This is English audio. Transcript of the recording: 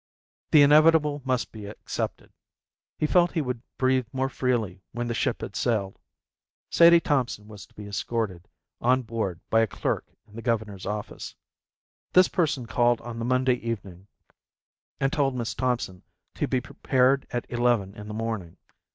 The inevitable must be accepted. He felt he would breathe more freely when the ship had sailed. Sadie Thompson was to be escorted on board by a clerk in the governor's office. This person called on the Monday evening and told Miss Thompson to be prepared at eleven in the morning.